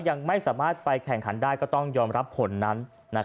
ยังไม่สามารถไปแข่งขันได้ก็ต้องยอมรับผลนั้น